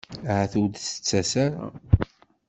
Ahat ur d-tettas ara.